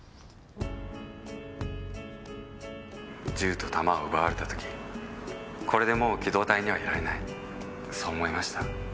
銃と弾を奪われた時これでもう機動隊にはいられないそう思いました。